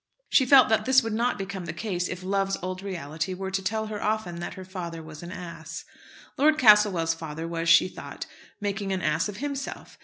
She felt that this would not become the case, if love's old reality were to tell her often that her father was an ass. Lord Castlewell's father was, she thought, making an ass of himself.